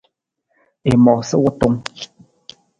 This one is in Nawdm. I moosa wutung.